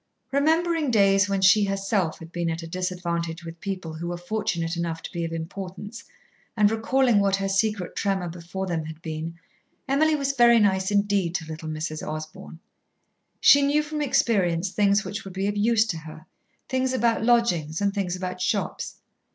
Remembering days when she herself had been at a disadvantage with people who were fortunate enough to be of importance, and recalling what her secret tremor before them had been, Emily was very nice indeed to little Mrs. Osborn. She knew from experience things which would be of use to her things about lodgings and things about shops.